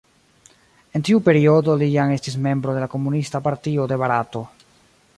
En tiu periodo li jam estis membro de la Komunista Partio de Barato.